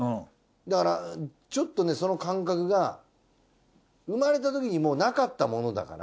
だからちょっとその感覚が生まれたときになかったものだから。